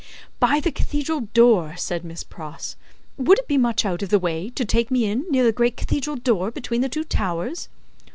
"By the cathedral door," said Miss Pross. "Would it be much out of the way, to take me in, near the great cathedral door between the two towers?"